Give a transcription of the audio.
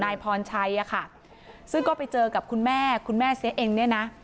นายพรชัยอะค่ะซึ่งก็ไปเจอกับคุณแม่คุณแม่เสียเองเนี่ยนะ